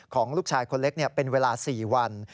ของลูกชายคนเล็กเป็นเวลา๔วัน